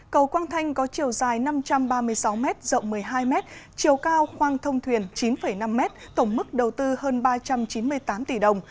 cầu quang thanh có chiều dài năm trăm ba mươi sáu m rộng một mươi hai m chiều cao khoang thông thuyền chín năm m tổng mức đầu tư hơn ba trăm chín mươi tám tỷ đồng